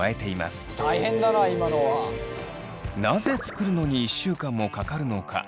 なぜ作るのに１週間もかかるのか。